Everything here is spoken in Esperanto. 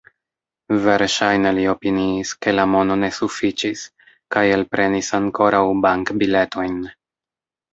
Verŝajne li opiniis, ke la mono ne sufiĉis, kaj elprenis ankoraŭ bankbiletojn.